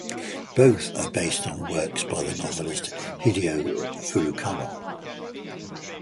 Both are based on works by the novelist Hideo Furukawa.